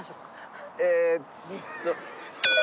えっと。